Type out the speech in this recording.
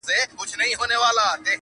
هر انسان خپل حقيقت لټوي تل